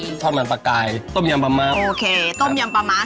โอเคต้มยำปลาหมากับท็อดมันปลากายนะจ๊ะ